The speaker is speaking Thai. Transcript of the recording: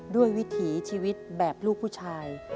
วิถีชีวิตแบบลูกผู้ชาย